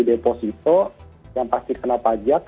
deposito yang pasti kena pajak